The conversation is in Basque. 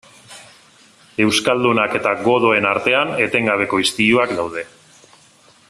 Euskaldunak eta godoen artean etengabeko istiluak daude.